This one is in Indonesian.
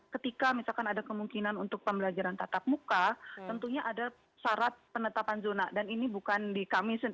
ketika misalkan ada kemungkinan untuk pembelajaran tatap muka tentunya ada syarat penetapan zona dan ini bukan di kamis